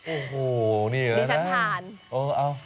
โอ้โหนี่เหรอนะนี่ฉันผ่าน